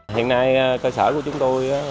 hiện nay cơ sở của chúng tôi